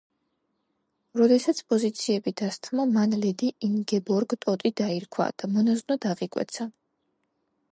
როდესაც პოზიციები დასთმო, მან ლედი ინგებორგ ტოტი დაირქვა და მონაზვნად აღიკვეცა.